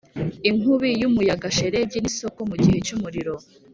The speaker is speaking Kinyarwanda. inkubi y'umuyaga, shelegi, n'isoko mugihe cyumuriro,